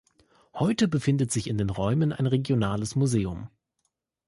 Heute befindet sich in den Räumen ein regionales Museum.